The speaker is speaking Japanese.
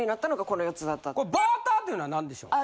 このバーターというのは何でしょう？